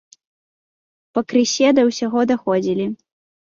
Пакрысе да ўсяго даходзілі.